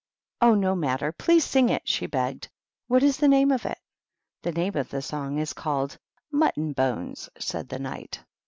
"Oh, no matter; please sing it," she begged. " What is the name of it ?" "The name of the song is called ^Mutton BoneSj^^ said the Knight.